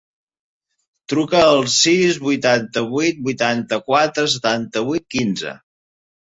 Truca al sis, vuitanta-vuit, vuitanta-quatre, setanta-vuit, quinze.